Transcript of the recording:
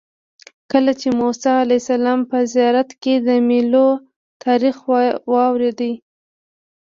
کله چې د موسی علیه السلام په زیارت کې د میلو تاریخ واورېد.